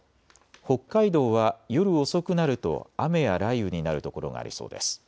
北海道は夜遅くなると雨や雷雨になる所がありそうです。